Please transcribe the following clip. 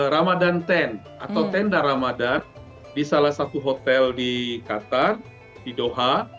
ramadan ten atau tenda ramadan di salah satu hotel di qatar di doha